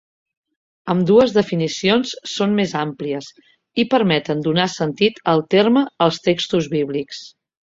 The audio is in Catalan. Ambdues definicions són més àmplies i permeten donar sentit al terme als textos bíblics.